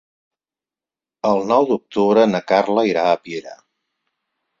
El nou d'octubre na Carla irà a Piera.